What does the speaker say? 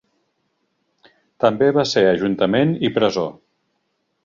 També va ser ajuntament i presó.